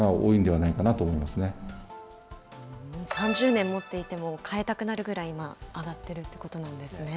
３０年持っていても、換えたくなるぐらい上がってるってことなんですね。